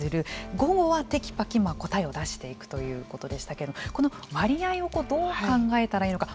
午後はテキパキ答えを出していくということでしたけれどもこの割合をどう考えたらいいのか。